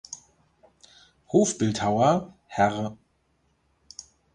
Hofbildhauer Hr.